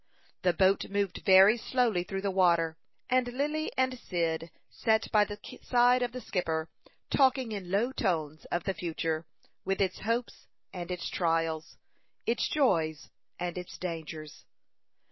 The boat moved very slowly through the water, and Lily and Cyd sat by the side of the skipper, talking in low tones of the future, with its hopes and its trials, its joys and its dangers.